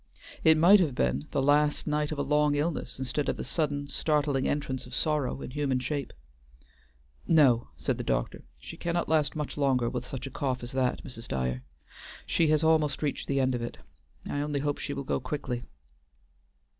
It might have been the last night of a long illness instead of the sudden, startling entrance of sorrow in human shape. "No," said the doctor, "she cannot last much longer with such a cough as that, Mrs. Dyer. She has almost reached the end of it. I only hope that she will go quickly."